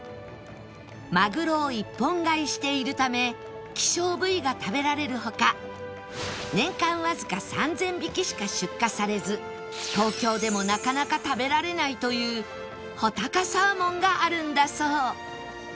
マグロを一本買いしているため希少部位が食べられるほか年間わずか３０００匹しか出荷されず東京でもなかなか食べられないという武尊サーモンがあるんだそう